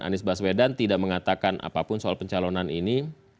anies baswedan tidak mengatakan apapun soal pencalonan ini